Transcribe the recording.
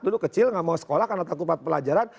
dulu kecil nggak mau sekolah karena takut pelajaran